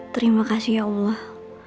terima kasih ya allah